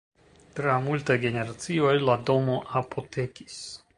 Tra multaj generacioj la domo apotekis.